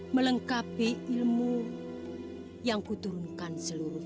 melengkapi ilmu yang kuturunkan seluruhnya